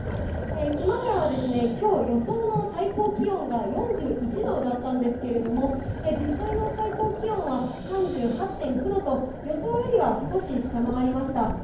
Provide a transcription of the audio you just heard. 熊谷はきょう、予想の最高気温が４１度だったんですけれども、実際の最高気温は３８．９度と、予想よりは少し下回りました。